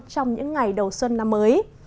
trong những ngày đầu xuân năm mới